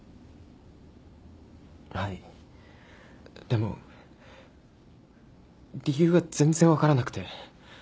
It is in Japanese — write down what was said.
でも理由が全然分からなくて。